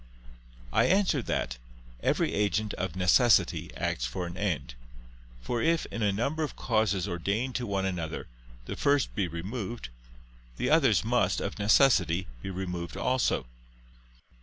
I answer that, Every agent, of necessity, acts for an end. For if, in a number of causes ordained to one another, the first be removed, the others must, of necessity, be removed also.